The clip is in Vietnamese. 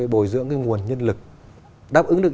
bồi dưỡng nguồn nhân lực đáp ứng được